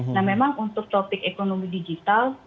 nah memang untuk topik ekonomi digital